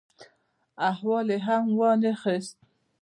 احوال یې هم وا نه خیست.